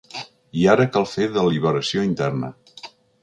I ara cal fer deliberació interna.